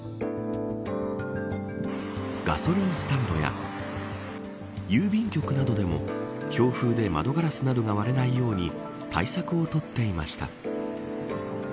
ガソリンスタンドや郵便局などでも強風で窓ガラスなどが割れないように対策をとっていました。